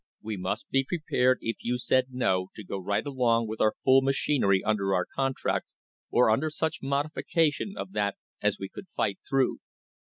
We must be prepared if you said no to go right along with our full machinery under our contract, or under such modification of that as we could fight through.